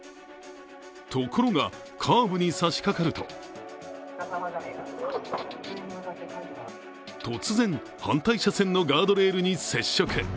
ところが、カーブに差しかかると突然、反対車線のガードレールに接触。